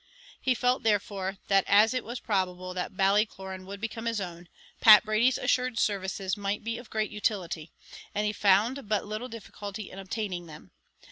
He felt, therefore, that as it was probable that Ballycloran would become his own, Pat Brady's assured services might be of great utility; and he found but little difficulty in obtaining them.